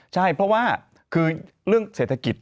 ใช่เพราะว่าคือเรื่องเศรษฐกิจ